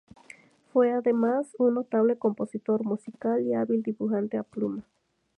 Fue además, un notable compositor musical y hábil dibujante a pluma.